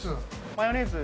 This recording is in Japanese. マヨネーズ。